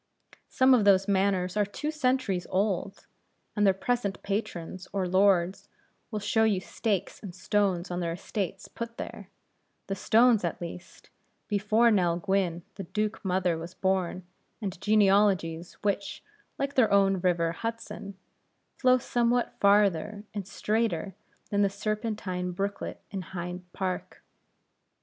Some of those manors are two centuries old; and their present patrons or lords will show you stakes and stones on their estates put there the stones at least before Nell Gwynne the Duke mother was born, and genealogies which, like their own river, Hudson, flow somewhat farther and straighter than the Serpentine brooklet in Hyde Park.